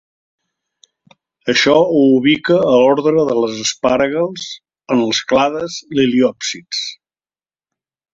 Això ho ubica a l'ordre de les asparagals, en els clades liliòpsids.